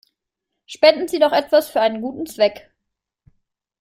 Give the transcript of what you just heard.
Spenden Sie doch etwas für einen guten Zweck!